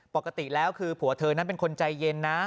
ปกติแล้วคือผัวเธอนั้นเป็นคนใจเย็นนะ